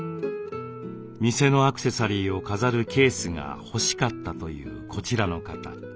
店のアクセサリーを飾るケースが欲しかったというこちらの方。